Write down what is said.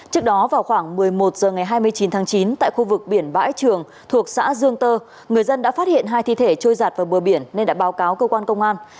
trước đó vào khoảng một mươi một h ngày hai mươi chín tháng chín tại khu vực biển bãi trường thuộc xã dương tơ người dân đã phát hiện hai thi thể trôi giặt vào bờ biển nên đã báo cáo cơ quan công an